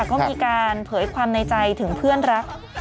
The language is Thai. ก็มีการเผยความในใจถึงเพื่อนรัก